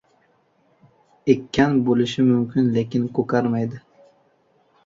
• Ekkan “bo‘lishi mumkin”, lekin ko‘karmadi.